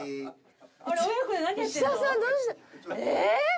え⁉